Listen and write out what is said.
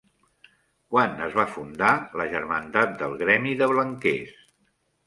Quan es va fundar la germandat del gremi de Blanquers?